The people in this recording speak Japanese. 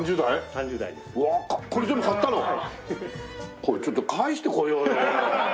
これちょっと返してこようよ。